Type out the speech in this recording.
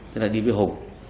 tên là đi với hùng